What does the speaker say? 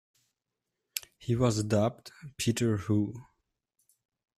He was dubbed "Peter Who"?